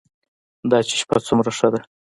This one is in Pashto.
دا چې شپه څومره ښه ده.